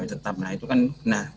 mungkin dampaknya juga seperti itu nanti